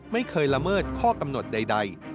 ไม่เคยละเมิดข้อกำหนดใด